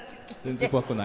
全然怖くない。